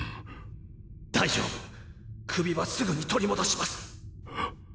首はすぐに取り戻します！